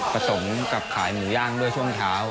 สมกับขายหมูย่างด้วยช่วงเช้า